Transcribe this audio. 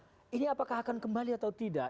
nah ini apakah akan kembali atau tidak